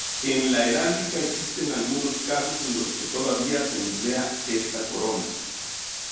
En la heráldica existen algunos casos en los que todavía se emplea esta corona.